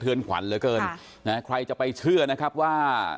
ขวัญเหลือเกินนะใครจะไปเชื่อนะครับว่า